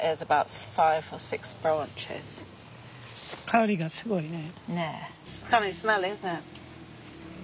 香りがすごいね。